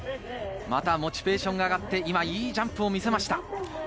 モチベーションが上がって、いいジャンプを見せました。